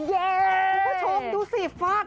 คุณผู้ชมดูสิฟาด